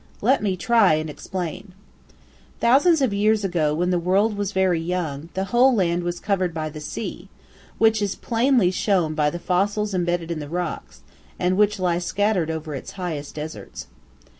Let me try and explain. Thousands of years ago, when the world was very young, the whole land was covered by the sea, which is plainly shown by the fossils embedded in the rocks, and which lie scattered over its highest deserts.